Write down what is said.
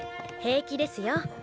平気ですよ。